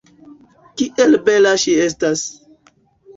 Kiel bela ŝi estas!